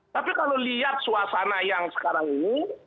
tapi kalau lihat suasana yang sekarang ini